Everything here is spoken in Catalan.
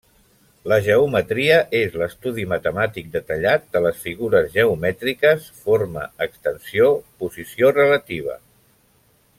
La geometria és l'estudi matemàtic detallat de les figures geomètriques: forma, extensió, posició relativa.